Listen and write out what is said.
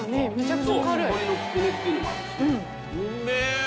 鶏のつくねっていうのもあるしね。